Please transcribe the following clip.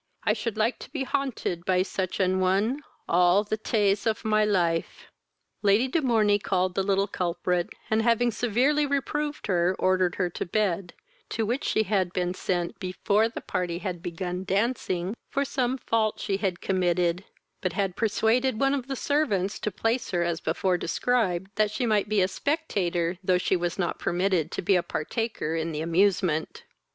I should like to be haunted by such an one all the tays of my life." Lady de Morney called the little culprit, and, having severely reproved her, ordered her to bed, to which she had been sent before the party had began dancing, for some fault she had committed, but had persuaded one of the servants to place her as before described, that she might be a spectator, though she was not permitted to be a partaker in the amusement.